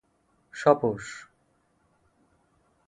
সপূষ